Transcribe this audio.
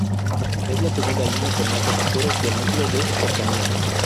Es la segunda línea con más pasajeros del núcleo de cercanías.